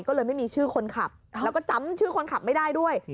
ก็เลยไม่มีชื่อคนขับแล้วก็จำชื่อคนขับไม่ได้ด้วย